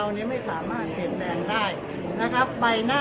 อันนี้คือ๑จานที่คุณคุณค่อยอยู่ด้านข้างข้างนั้น